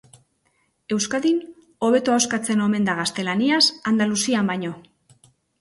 Euskadin hobeto ahoskatzen omen da gaztelaniaz Andaluzian baino.